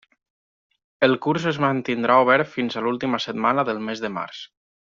El curs es mantindrà obert fins a l'última setmana del mes de març.